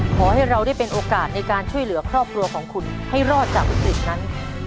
ขอให้เราได้เป็นโอกาสในการช่วยเหลือครอบครัวของคุณให้รอดจากวิกฤตนั้น